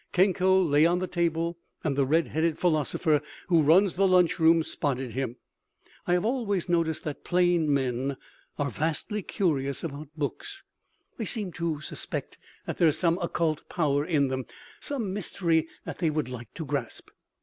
Kenko lay on the table, and the red headed philosopher who runs the lunchroom spotted him. I have always noticed that "plain men" are vastly curious about books. They seem to suspect that there is some occult power in them, some mystery that they would like to grasp.